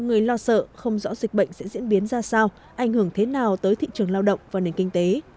người lo sợ không rõ dịch bệnh sẽ diễn biến ra sao ảnh hưởng thế nào tới thị trường lao động và nền kinh tế